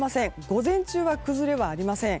午前中は崩れはありません。